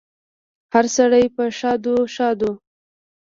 هره سړی په ښادو، ښادو